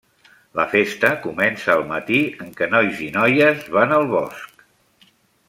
La festa comença al matí en què nois i noies van al bosc.